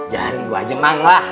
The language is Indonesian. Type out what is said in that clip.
jangan gua aja mang wah